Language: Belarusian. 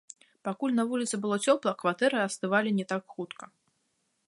Пакуль на вуліцы было цёпла, кватэры астывалі не так хутка.